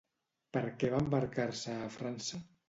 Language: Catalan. Per què va embarcar-se a França?